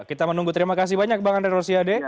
kita menunggu terima kasih banyak bang andre rosiade